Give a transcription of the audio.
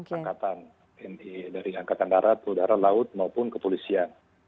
angkatan dari angkatan darat udara laut maupun kepolisian